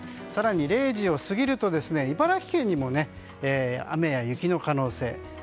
更に０時を過ぎると茨城県にも雨や雪の可能性。